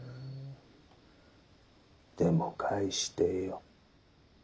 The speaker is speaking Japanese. でも返してよッ。